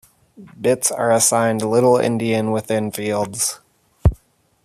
Bits are assigned little-endian within fields.